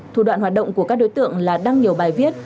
thủ đoạn hoạt động của các đối tượng là đăng nhiều bài viết